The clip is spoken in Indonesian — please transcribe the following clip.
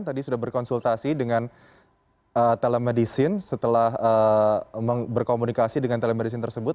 tadi sudah berkonsultasi dengan telemedicine setelah berkomunikasi dengan telemedicine tersebut